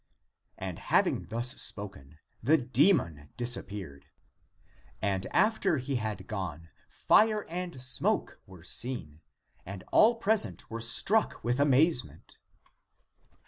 And having thus spoken, the demon disappeared. And after he had gone fire and smoke were seen, and all present were struck with amazement.